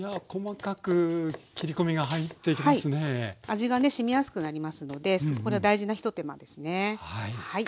味がねしみやすくなりますのでこれは大事な一手間ですね。